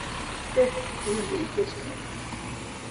Eh, koyun deyip geçmeyelim.